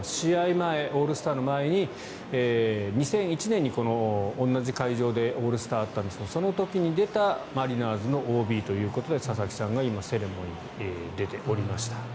前、オールスターの前に２００１年にこの同じ会場でオールスターがあったんですがその時に出たマリナーズのＯＢということで佐々木さんが今セレモニーに出ておりました。